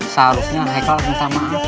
seharusnya haikal bersama aku